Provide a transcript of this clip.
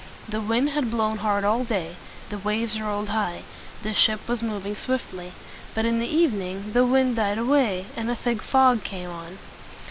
The wind had blown hard all day. The waves rolled high. The ship was moving swiftly. But in the evening the wind died away, and a thick fog came on.